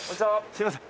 すみません。